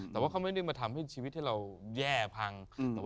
แต่ว่าเขาไม่ได้มาทำให้ชีวิตที่เราแย่พัง